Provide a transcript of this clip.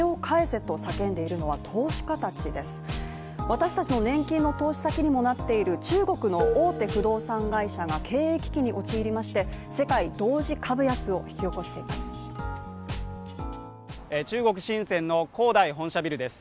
私たちの年金の投資先にもなっている中国の大手不動産会社が経営危機に陥りまして世界同時株安を引き起こしています。